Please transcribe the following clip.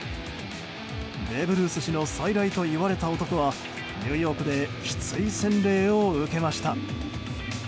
ベーブ・ルース氏の再来といわれた男はニューヨークできつい洗礼を受けました。